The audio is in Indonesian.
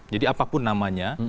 jadi apapun namanya